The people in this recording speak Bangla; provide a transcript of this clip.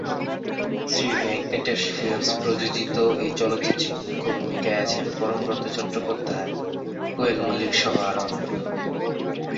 শ্রী ভেঙ্কটেশ ফিল্মস প্রযোজিত এ চলচ্চিত্রে মুখ্য ভূমিকায় আছেন পরমব্রত চট্টোপাধ্যায়, কোয়েল মল্লিক সহ আরো অনেকে।